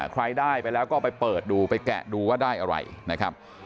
ใครได้ไปแล้วก็ไปเปิดดูไปแกะดูว่าได้อะไรนะครับ